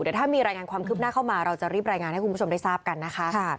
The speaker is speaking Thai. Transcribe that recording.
เดี๋ยวถ้ามีรายงานความคืบหน้าเข้ามาเราจะรีบรายงานให้คุณผู้ชมได้ทราบกันนะคะ